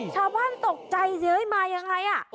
ชาวบ้านตกใจสิมายังไง